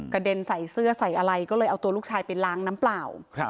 เด็นใส่เสื้อใส่อะไรก็เลยเอาตัวลูกชายไปล้างน้ำเปล่า